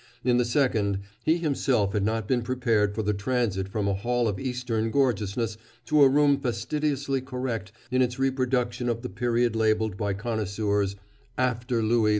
In the second, he himself had not been prepared for the transit from a hall of Eastern gorgeousness to a room fastidiously correct in its reproduction of the period labeled by connoisseurs "after Louis XV."